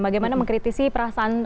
bagaimana mengkritisi perasaan